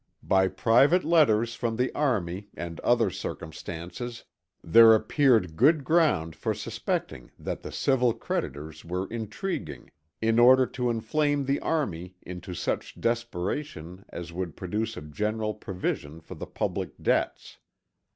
By private letters from the army, and other circumstances, there appeared good ground for suspecting that the civil creditors were intriguing, in order to inflame the army into such desperation as would produce a general provision for the public debts.